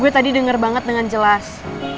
gue tadi dengar banget dengan jelas